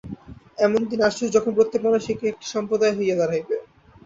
এমন দিন আসুক, যখন প্রত্যেক মানুষ এক একটি সম্প্রদায় হইয়া দাঁড়াইবে।